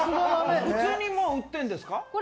普通に売ってるんですか？